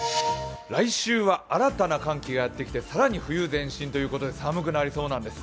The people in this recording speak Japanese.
来週は新たな寒気がやってきて更に冬前進ということで寒くなりそうなんです。